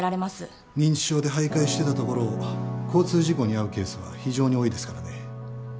認知症で徘徊してたところを交通事故に遭うケースは非常に多いですからね。